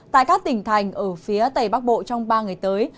tại các tỉnh thành ở phía tây bắc bộ trong ba ngày tới